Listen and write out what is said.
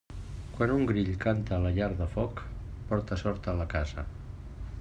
Quan un grill canta a la llar de foc, porta sort a la casa.